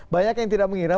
banyak yang tidak mengira